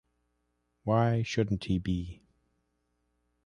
Why shouldn’t he be?